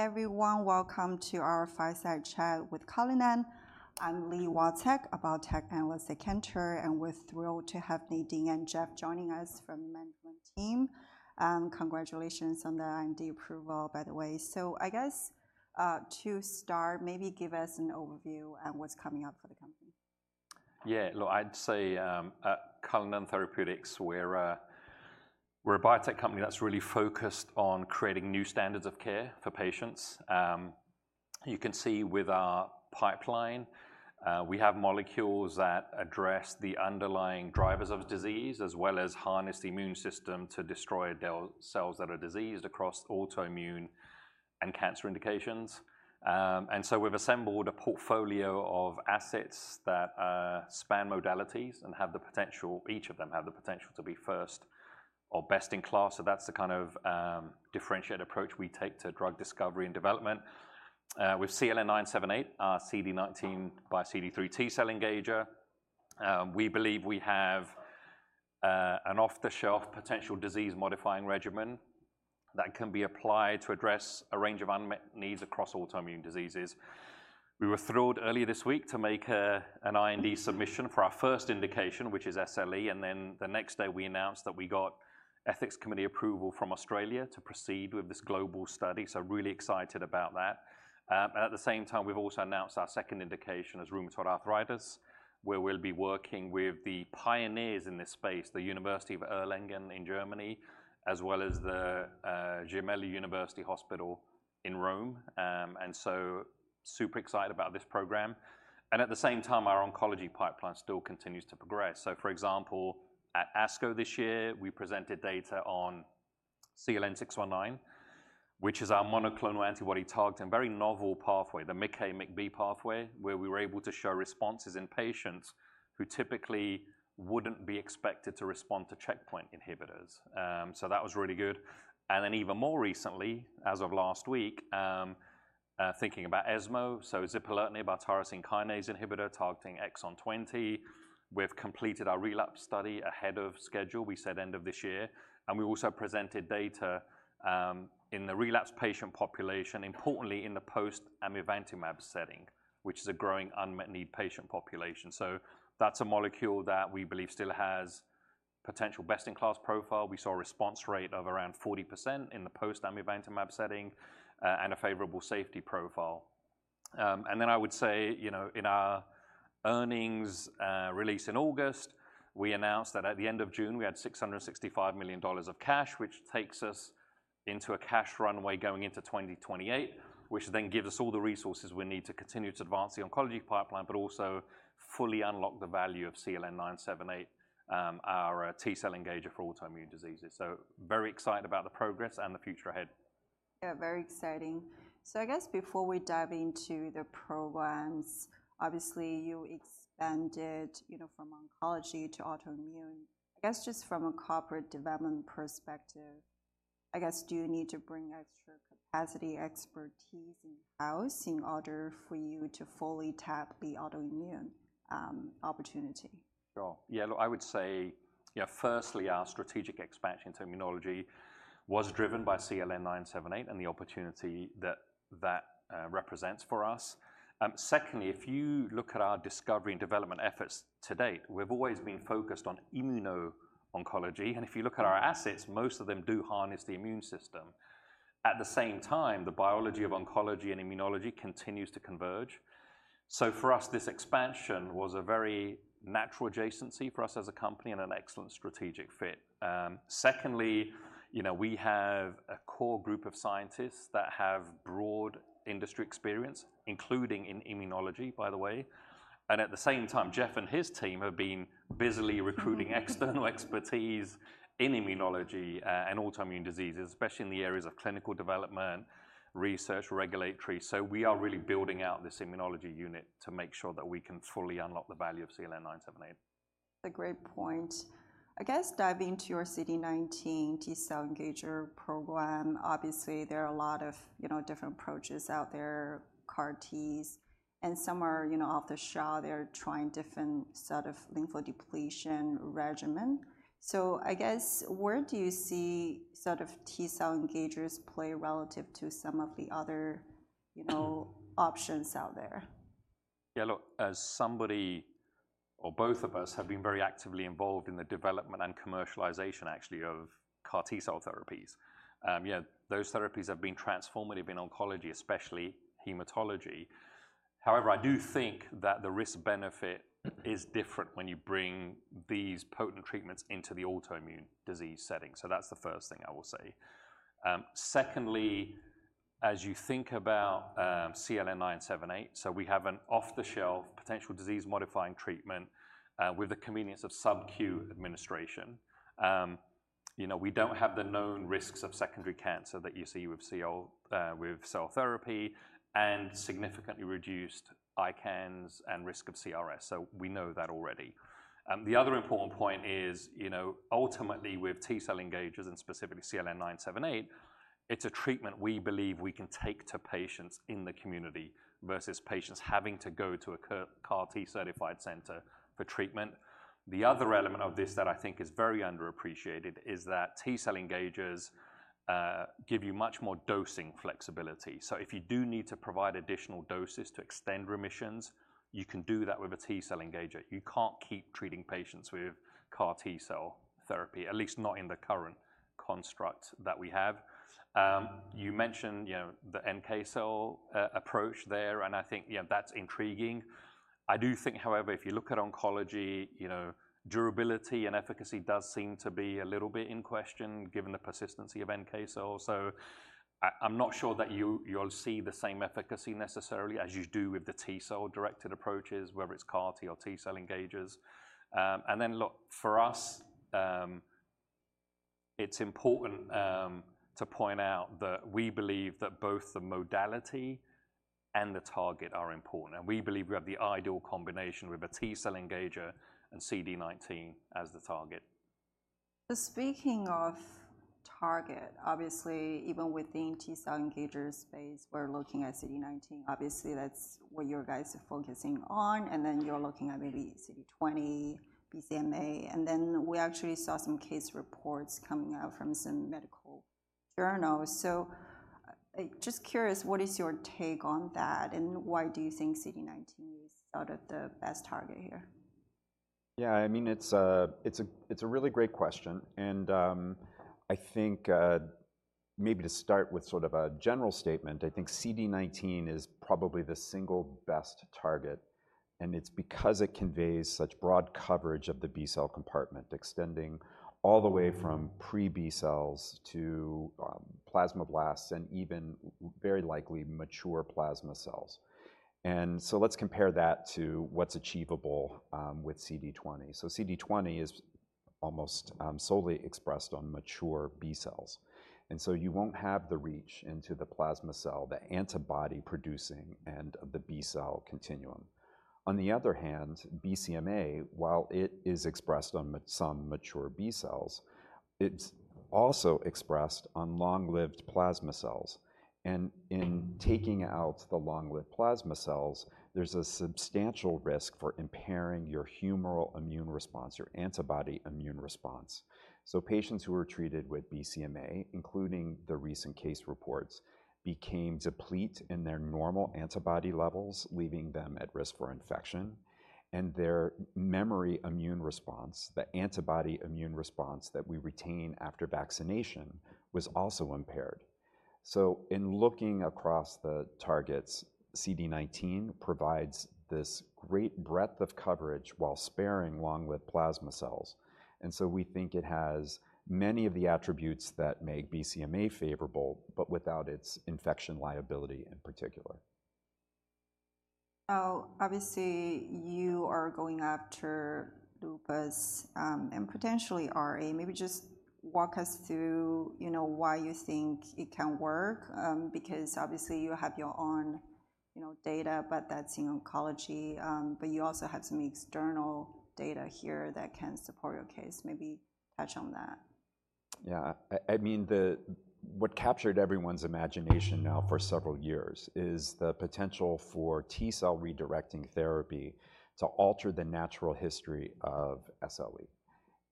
Hi, everyone. Welcome to our Fireside Chat with Cullinan. I'm Li Watsek, a biotech analyst at Cantor, and we're thrilled to have Nadim and Jeff joining us from the management team. Congratulations on the IND approval, by the way. So I guess, to start, maybe give us an overview on what's coming up for the company. Yeah. Look, I'd say, at Cullinan Therapeutics, we're a biotech company that's really focused on creating new standards of care for patients. You can see with our pipeline, we have molecules that address the underlying drivers of disease, as well as harness the immune system to destroy cells that are diseased across autoimmune and cancer indications. And so we've assembled a portfolio of assets that span modalities and have the potential, each of them have the potential to be first or best-in-class. So that's the kind of differentiated approach we take to drug discovery and development. With CLN-978, our CD19 by CD3 T cell engager, we believe we have an off-the-shelf potential disease-modifying regimen that can be applied to address a range of unmet needs across autoimmune diseases. We were thrilled earlier this week to make an IND submission for our first indication, which is SLE, and then the next day, we announced that we got ethics committee approval from Australia to proceed with this global study, so really excited about that. And at the same time, we've also announced our second indication as rheumatoid arthritis, where we'll be working with the pioneers in this space, the University of Erlangen in Germany, as well as the Gemelli University Hospital in Rome, and so super excited about this program. And at the same time, our oncology pipeline still continues to progress, so, for example, at ASCO this year, we presented data on CLN-619, which is our monoclonal antibody targeting very novel pathway, the MICA/MICB pathway, where we were able to show responses in patients who typically wouldn't be expected to respond to checkpoint inhibitors. So that was really good. And then even more recently, as of last week, thinking about ESMO, so Zipilertinib, a tyrosine kinase inhibitor targeting exon 20. We've completed our relapse study ahead of schedule, we said end of this year, and we also presented data, in the relapsed patient population, importantly, in the post-Amivantamab setting, which is a growing unmet need patient population. So that's a molecule that we believe still has potential best-in-class profile. We saw a response rate of around 40% in the post-Amivantamab setting, and a favorable safety profile. And then I would say, you know, in our earnings release in August, we announced that at the end of June, we had $665 million of cash, which takes us into a cash runway going into 2028, which then gives us all the resources we need to continue to advance the oncology pipeline, but also fully unlock the value of CLN-978, our T cell engager for autoimmune diseases. So very excited about the progress and the future ahead. Yeah, very exciting. So I guess before we dive into the programs, obviously, you expanded, you know, from oncology to autoimmune. I guess just from a corporate development perspective, I guess, do you need to bring extra capacity, expertise in-house in order for you to fully tap the autoimmune opportunity? Sure. Yeah, look, I would say, yeah, firstly, our strategic expansion to immunology was driven by CLN-978 and the opportunity that represents for us. Secondly, if you look at our discovery and development efforts to date, we've always been focused on immuno-oncology, and if you look at our assets, most of them do harness the immune system. At the same time, the biology of oncology and immunology continues to converge. So for us, this expansion was a very natural adjacency for us as a company and an excellent strategic fit. Secondly, you know, we have a core group of scientists that have broad industry experience, including in immunology, by the way, and at the same time, Jeff and his team have been busily recruiting external expertise in immunology and autoimmune diseases, especially in the areas of clinical development, research, regulatory. We are really building out this immunology unit to make sure that we can fully unlock the value of CLN-978. A great point. I guess diving into your CD19 T-cell engager program, obviously, there are a lot of, you know, different approaches out there, CAR Ts, and some are, you know, off-the-shelf. They're trying different sort of lymphodepletion regimen. So I guess, where do you see sort of T-cell engagers play relative to some of the other, you know options out there? Yeah, look, as somebody or both of us have been very actively involved in the development and commercialization actually of CAR T cell therapies, yeah, those therapies have been transformative in oncology, especially hematology. However, I do think that the risk-benefit is different when you bring these potent treatments into the autoimmune disease setting. So that's the first thing I will say. Secondly, as you think about CLN-978, so we have an off-the-shelf potential disease-modifying treatment, with the convenience of sub-Q administration. You know, we don't have the known risks of secondary cancer that you see with cell therapy, and significantly reduced ICANS and risk of CRS, so we know that already. The other important point is, you know, ultimately, with T cell engagers, and specifically CLN-978, it's a treatment we believe we can take to patients in the community versus patients having to go to a CAR T certified center for treatment. The other element of this that I think is very underappreciated is that T cell engagers give you much more dosing flexibility. So if you do need to provide additional doses to extend remissions, you can do that with a T cell engager. You can't keep treating patients with CAR T cell therapy, at least not in the current construct that we have. You mentioned, you know, the NK cell approach there, and I think, yeah, that's intriguing. I do think, however, if you look at oncology, you know, durability and efficacy does seem to be a little bit in question, given the persistency of NK cells. So I'm not sure that you'll see the same efficacy necessarily as you do with the T cell-directed approaches, whether it's CAR T or T cell engagers. And then look, for us, it's important to point out that we believe that both the modality and the target are important, and we believe we have the ideal combination with a T cell engager and CD19 as the target. So speaking of target, obviously, even within T cell engager space, we're looking at CD19. Obviously, that's what you guys are focusing on, and then you're looking at maybe CD20, BCMA, and then we actually saw some case reports coming out from some medical journals. So, just curious, what is your take on that, and why do you think CD19 is sort of the best target here? Yeah, I mean, it's a really great question, and I think maybe to start with sort of a general statement, I think CD19 is probably the single best target, and it's because it conveys such broad coverage of the B-cell compartment, extending all the way from pre-B cells to plasmablasts and even very likely mature plasma cells. And so let's compare that to what's achievable with CD20. So CD20 is almost solely expressed on mature B cells, and so you won't have the reach into the plasma cell, the antibody-producing end of the B-cell continuum. On the other hand, BCMA, while it is expressed on some mature B cells, it's also expressed on long-lived plasma cells. And in taking out the long-lived plasma cells, there's a substantial risk for impairing your humoral immune response or antibody immune response. Patients who were treated with BCMA, including the recent case reports, became deplete in their normal antibody levels, leaving them at risk for infection, and their memory immune response, the antibody immune response that we retain after vaccination, was also impaired. In looking across the targets, CD19 provides this great breadth of coverage while sparing long-lived plasma cells, and so we think it has many of the attributes that make BCMA favorable, but without its infection liability in particular. So obviously, you are going after lupus, and potentially RA. Maybe just walk us through, you know, why you think it can work, because obviously you have your own, you know, data, but that's in oncology. But you also have some external data here that can support your case. Maybe touch on that. Yeah. I mean, what captured everyone's imagination now for several years is the potential for T-cell redirecting therapy to alter the natural history of SLE.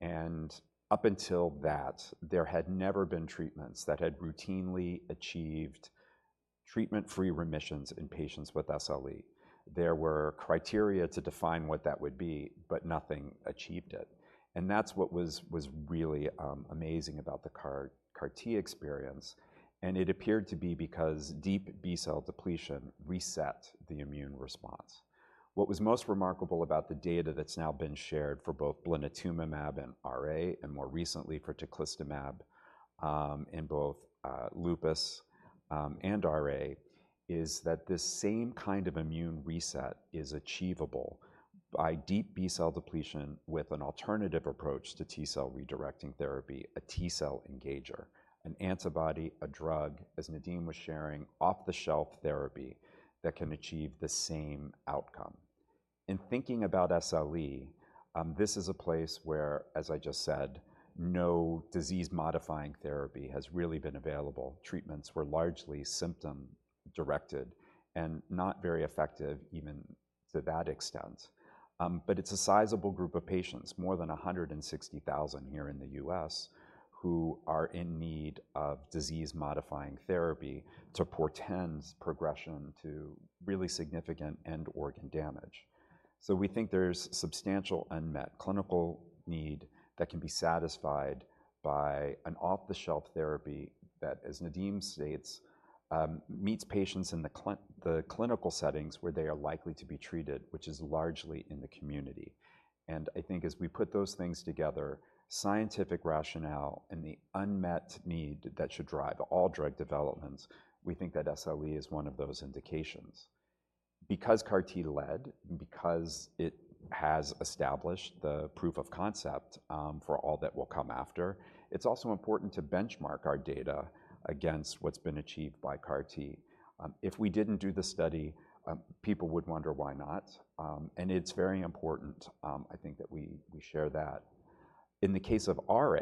And up until that, there had never been treatments that had routinely achieved treatment-free remissions in patients with SLE. There were criteria to define what that would be, but nothing achieved it, and that's what was really amazing about the CAR T experience, and it appeared to be because deep B-cell depletion reset the immune response. What was most remarkable about the data that's now been shared for both Blinatumomab and RA, and more recently for Teclistamab, in both, lupus, and RA, is that this same kind of immune reset is achievable by deep B-cell depletion with an alternative approach to T-cell redirecting therapy, a T-cell engager, an antibody, a drug, as Nadim was sharing, off-the-shelf therapy that can achieve the same outcome. In thinking about SLE, this is a place where, as I just said, no disease-modifying therapy has really been available. Treatments were largely symptom-directed and not very effective even to that extent, but it's a sizable group of patients, more than 160,000 here in the U.S., who are in need of disease-modifying therapy to portend progression to really significant end organ damage. So we think there's substantial unmet clinical need that can be satisfied by an off-the-shelf therapy that, as Nadim states, meets patients in the clinical settings where they are likely to be treated, which is largely in the community. And I think as we put those things together, scientific rationale and the unmet need that should drive all drug developments, we think that SLE is one of those indications. Because CAR T led, because it has established the proof of concept for all that will come after, it's also important to benchmark our data against what's been achieved by CAR T. If we didn't do the study, people would wonder, why not? And it's very important, I think that we share that. In the case of RA,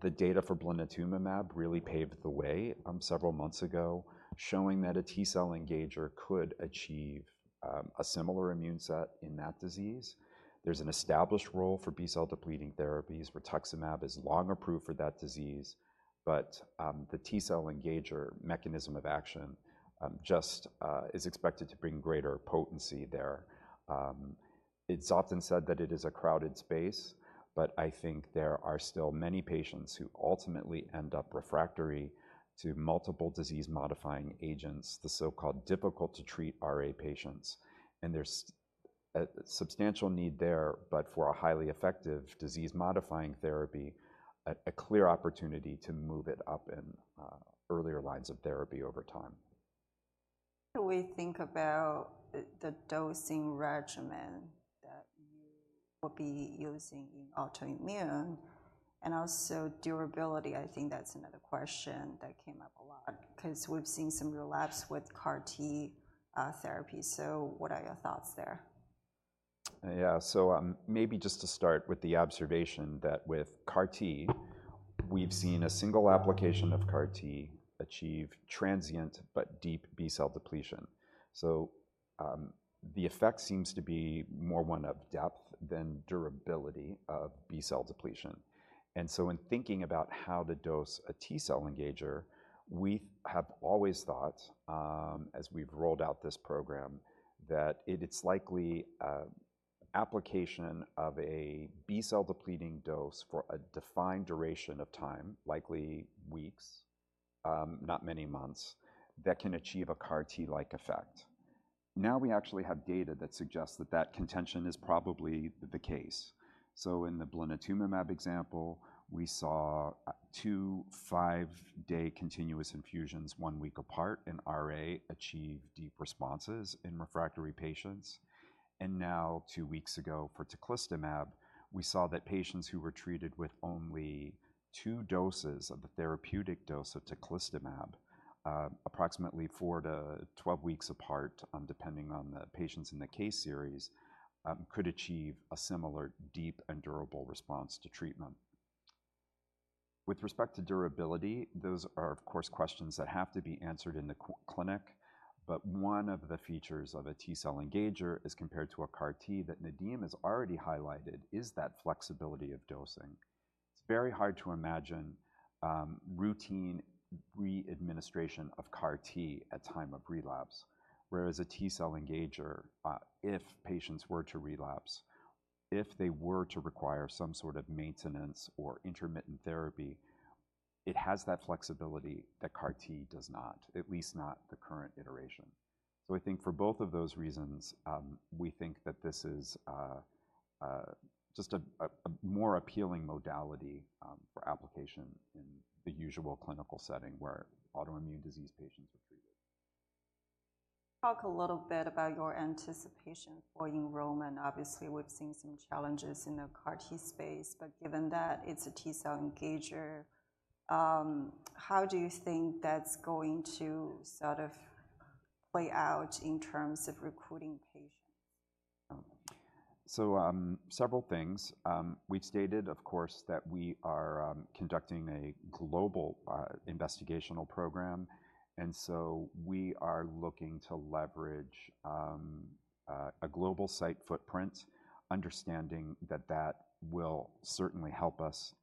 the data for Blinatumomab really paved the way several months ago, showing that a T-cell engager could achieve a similar immune reset in that disease. There's an established role for B-cell depleting therapies. Rituximab is long approved for that disease, but the T-cell engager mechanism of action just is expected to bring greater potency there. It's often said that it is a crowded space, but I think there are still many patients who ultimately end up refractory to multiple disease-modifying agents, the so-called difficult-to-treat RA patients, and there's a substantial need there, but for a highly effective disease-modifying therapy, a clear opportunity to move it up in earlier lines of therapy over time. What do we think about the dosing regimen that you will be using in autoimmune and also durability? I think that's another question that came up a lot because we've seen some relapse with CAR-T therapy. So what are your thoughts there? Yeah. So, maybe just to start with the observation that with CAR-T, we've seen a single application of CAR-T achieve transient but deep B-cell depletion. So, the effect seems to be more one of depth than durability of B-cell depletion. And so when thinking about how to dose a T-cell engager, we have always thought, as we've rolled out this program, that it's likely application of a B-cell depleting dose for a defined duration of time, likely weeks, not many months, that can achieve a CAR-T-like effect. Now, we actually have data that suggests that that contention is probably the case. So in the Blinatumomab example, we saw two five-day continuous infusions, one week apart, in RA achieve deep responses in refractory patients. Now, two weeks ago, for teclistamab, we saw that patients who were treated with only two doses of the therapeutic dose of teclistamab, approximately four to 12 weeks apart, depending on the patients in the case series, could achieve a similar deep and durable response to treatment. With respect to durability, those are, of course, questions that have to be answered in the clinic, but one of the features of a T-cell engager as compared to a CAR-T, that Nadim has already highlighted, is that flexibility of dosing. It's very hard to imagine, routine re-administration of CAR-T at time of relapse, whereas a T-cell engager, if patients were to relapse, if they were to require some sort of maintenance or intermittent therapy, it has that flexibility that CAR-T does not, at least not the current iteration. So I think for both of those reasons, we think that this is just a more appealing modality for application in the usual clinical setting where autoimmune disease patients are treated. Talk a little bit about your anticipation for enrollment. Obviously, we've seen some challenges in the CAR-T space, but given that it's a T-cell engager, how do you think that's going to sort of play out in terms of recruiting patients? Several things. We've stated, of course, that we are conducting a global investigational program, and so we are looking to leverage a global site footprint, understanding that that will certainly help us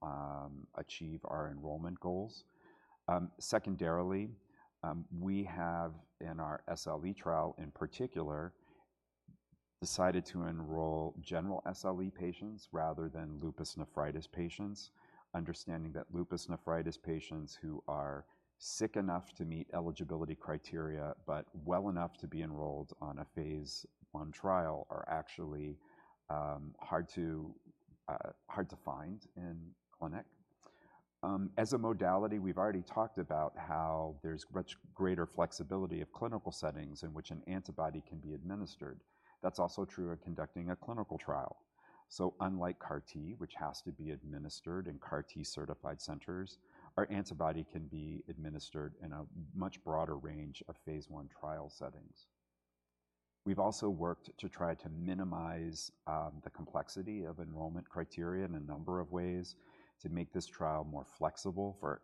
achieve our enrollment goals. Secondarily, we have, in our SLE trial in particular, decided to enroll general SLE patients rather than lupus nephritis patients, understanding that lupus nephritis patients who are sick enough to meet eligibility criteria but well enough to be enrolled on a phase I trial are actually hard to find in clinic. As a modality, we've already talked about how there's much greater flexibility of clinical settings in which an antibody can be administered. That's also true of conducting a clinical trial. Unlike CAR-T, which has to be administered in CAR-T-certified centers, our antibody can be administered in a much broader range of phase I trial settings. We've also worked to try to minimize the complexity of enrollment criteria in a number of ways to make this trial more flexible for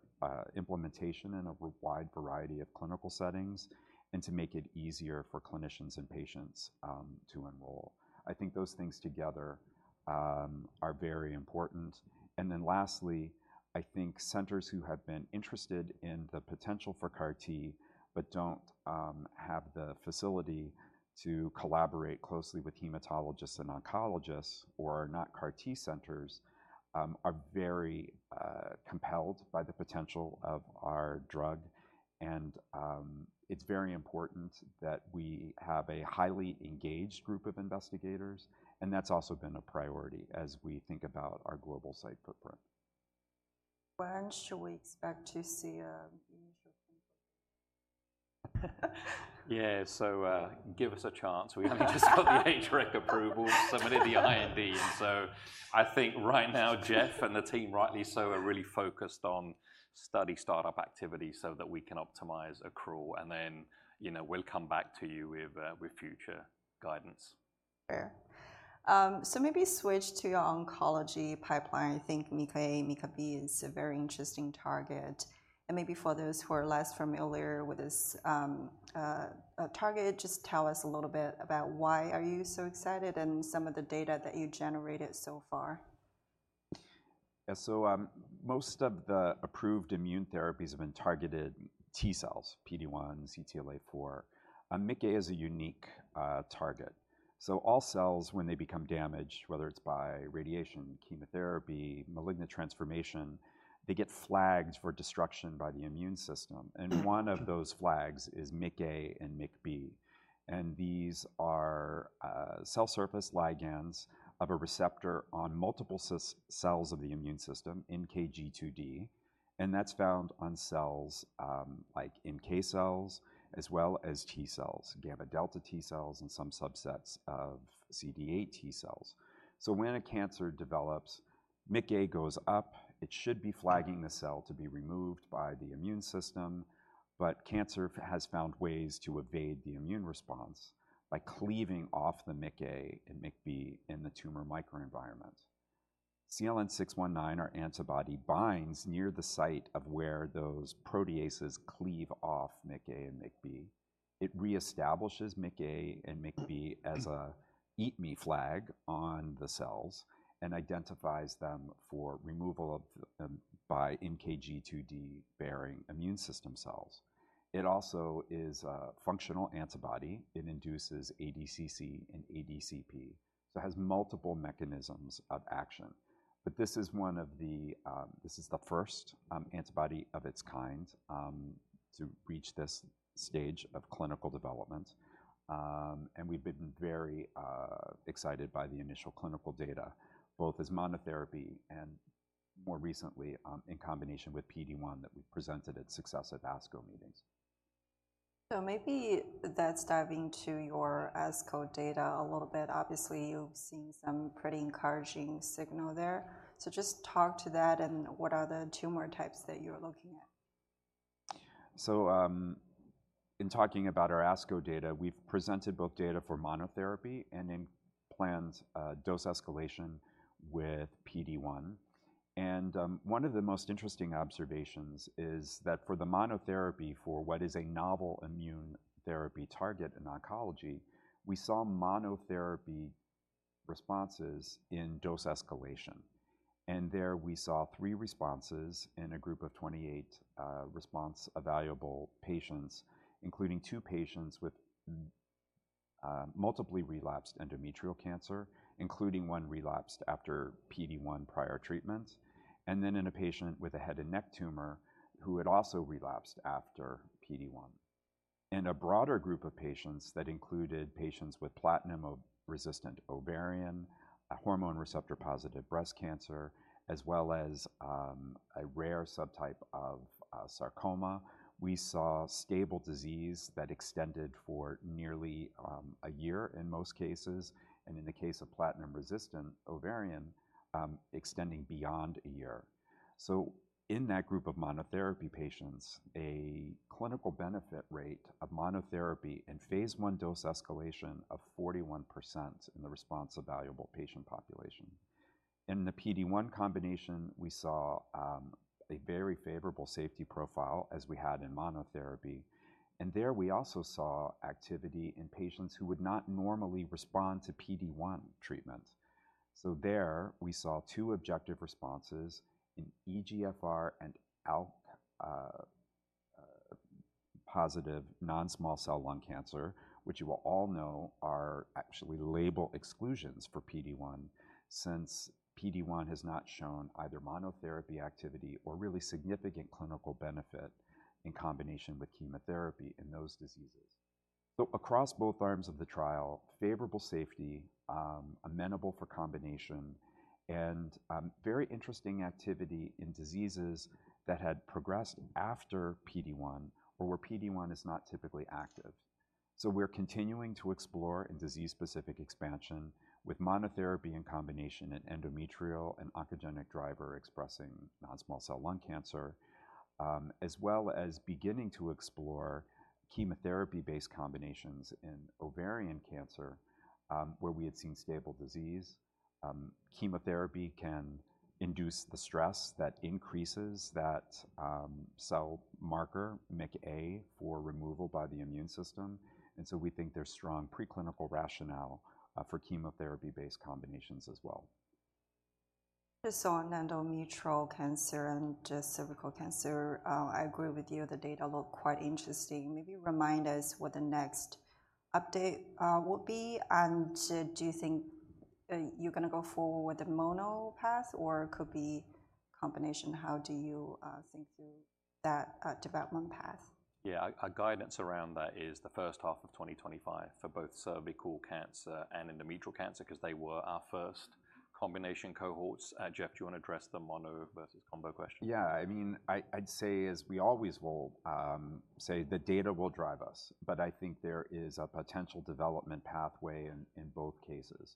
implementation in a wide variety of clinical settings and to make it easier for clinicians and patients to enroll. I think those things together are very important. Then lastly, I think centers who have been interested in the potential for CAR-T but don't have the facility to collaborate closely with hematologists and oncologists or are not CAR-T centers are very compelled by the potential of our drug. It's very important that we have a highly engaged group of investigators, and that's also been a priority as we think about our global site footprint. When should we expect to see initial input? Yeah, so give us a chance. We've only just got the HREC approval, submitted the IND. And so I think right now, Jeff and the team, rightly so, are really focused on study startup activity so that we can optimize accrual, and then, you know, we'll come back to you with future guidance. So maybe switch to your oncology pipeline. I think MICA, MICB is a very interesting target, and maybe for those who are less familiar with this target, just tell us a little bit about why are you so excited, and some of the data that you generated so far? Yeah. So, most of the approved immune therapies have been targeted T cells, PD-1, CTLA-4. MICA is a unique target. So all cells, when they become damaged, whether it's by radiation, chemotherapy, malignant transformation, they get flagged for destruction by the immune system. And one of those flags is MICA and MICB. And these are cell surface ligands of a receptor on multiple cells of the immune system, NKG2D, and that's found on cells like NK cells, as well as T cells, gamma delta T cells, and some subsets of CD8 T cells. So when a cancer develops, MICA goes up. It should be flagging the cell to be removed by the immune system, but cancer has found ways to evade the immune response by cleaving off the MICA and MICB in the tumor microenvironment. CLN-619, our antibody, binds near the site of where those proteases cleave off MICA and MICB. It reestablishes MICA and MICB as an eat-me flag on the cells and identifies them for removal by NKG2D-bearing immune system cells. It also is a functional antibody. It induces ADCC and ADCP, so it has multiple mechanisms of action. But this is the first antibody of its kind to reach this stage of clinical development, and we've been very excited by the initial clinical data, both as monotherapy and more recently in combination with PD-1, that we've presented at successive ASCO meetings. So maybe let's dive into your ASCO data a little bit. Obviously, you've seen some pretty encouraging signal there, so just talk to that, and what are the tumor types that you're looking at? In talking about our ASCO data, we've presented both data for monotherapy and in planned dose escalation with PD-1. One of the most interesting observations is that for the monotherapy for what is a novel immune therapy target in oncology, we saw monotherapy responses in dose escalation, and there we saw three responses in a group of 28 response-evaluable patients, including two patients with multiply relapsed endometrial cancer, including one relapsed after PD-1 prior treatment, and then in a patient with a head and neck tumor, who had also relapsed after PD-1. In a broader group of patients that included patients with platinum-resistant ovarian, hormone receptor-positive breast cancer, as well as, a rare subtype of, sarcoma, we saw stable disease that extended for nearly, a year in most cases, and in the case of platinum-resistant ovarian, extending beyond a year. So in that group of monotherapy patients, a clinical benefit rate of monotherapy in phase I dose escalation of 41% in the response evaluable patient population. In the PD-1 combination, we saw, a very favorable safety profile, as we had in monotherapy, and there we also saw activity in patients who would not normally respond to PD-1 treatment. So there we saw two objective responses in EGFR and ALK positive non-small cell lung cancer, which you will all know are actually label exclusions for PD-1, since PD-1 has not shown either monotherapy activity or really significant clinical benefit in combination with chemotherapy in those diseases. So across both arms of the trial, favorable safety, amenable for combination, and very interesting activity in diseases that had progressed after PD-1 or where PD-1 is not typically active. So we're continuing to explore in disease-specific expansion with monotherapy in combination in endometrial and oncogenic driver expressing non-small cell lung cancer, as well as beginning to explore chemotherapy-based combinations in ovarian cancer, where we had seen stable disease. Chemotherapy can induce the stress that increases that cell marker MICA for removal by the immune system, and so we think there's strong preclinical rationale for chemotherapy-based combinations as well. Just on endometrial cancer and just cervical cancer, I agree with you, the data look quite interesting. Maybe remind us what the next update will be, and do you think you're gonna go forward with the mono path or could be combination? How do you think through that development path? Yeah, our guidance around that is the first half of twenty twenty-five for both cervical cancer and endometrial cancer, 'cause they were our first combination cohorts. Jeff, do you want to address the mono versus combo question? Yeah, I mean, I'd say, as we always will say the data will drive us, but I think there is a potential development pathway in both cases.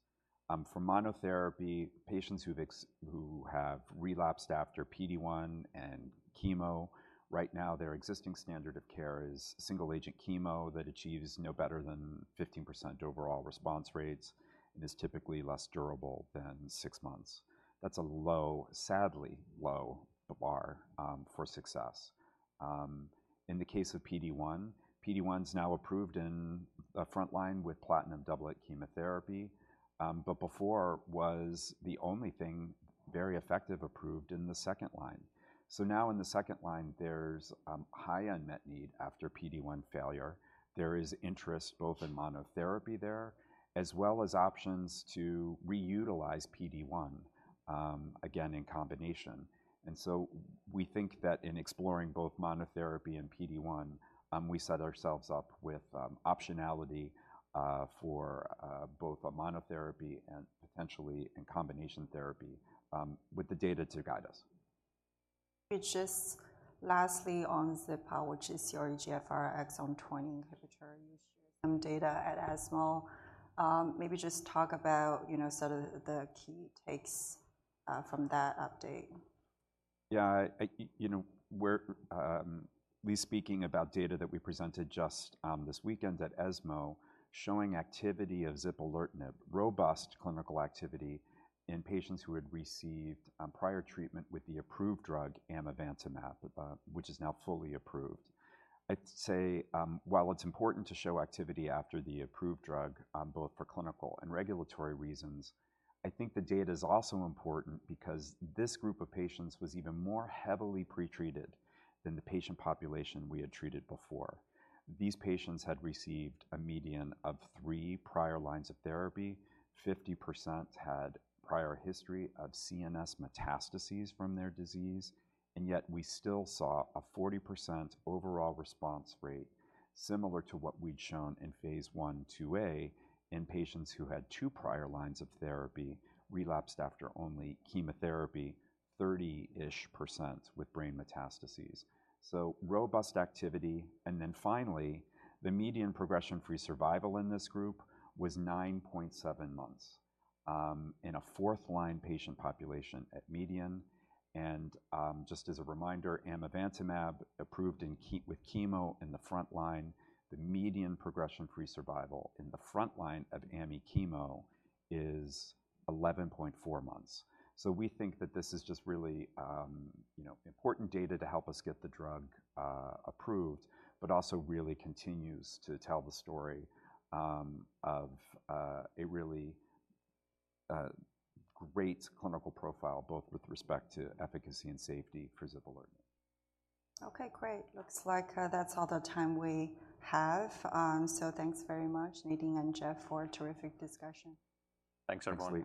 For monotherapy, patients who have relapsed after PD-1 and chemo, right now, their existing standard of care is single-agent chemo that achieves no better than 15% overall response rates and is typically less durable than six months. That's a low, sadly low bar for success. In the case of PD-1, PD-1 is now approved in a frontline with platinum doublet chemotherapy, but before was the only thing very effective approved in the second line. So now in the second line, there's high unmet need after PD-1 failure. There is interest both in monotherapy there, as well as options to reutilize PD-1 again, in combination. And so we think that in exploring both monotherapy and PD-1, we set ourselves up with optionality for both a monotherapy and potentially in combination therapy, with the data to guide us. Just lastly, on Zipa, which is your EGFR exon 20 inhibitor. You shared some data at ESMO. Maybe just talk about, you know, sort of the key takes from that update. Yeah, you know, we're speaking about data that we presented just this weekend at ESMO, showing activity of Zipilertinib, robust clinical activity in patients who had received prior treatment with the approved drug, Amivantamab, which is now fully approved. I'd say, while it's important to show activity after the approved drug, both for clinical and regulatory reasons, I think the data is also important because this group of patients was even more heavily pretreated than the patient population we had treated before. These patients had received a median of three prior lines of therapy. Fifty percent had prior history of CNS metastases from their disease, and yet we still saw a 40% overall response rate, similar to what we'd shown in phase 1, 2a in patients who had two prior lines of therapy, relapsed after only chemotherapy, 30-ish% with brain metastases, so robust activity, and then finally, the median progression-free survival in this group was 9.7 months in a fourth-line patient population at median, and just as a reminder, amivantamab, approved in with chemo in the frontline, the median progression-free survival in the frontline of ami chemo is 11.4 months. So we think that this is just really, you know, important data to help us get the drug approved, but also really continues to tell the story of a really great clinical profile, both with respect to efficacy and safety for Zipilertinib. Okay, great. Looks like, that's all the time we have. So, thanks very much, Nadim and Jeff, for a terrific discussion. Thanks, everyone.